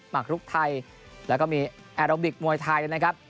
หักลุกไทยแล้วก็มีแอร์โรบิกมวยไทยนะครับ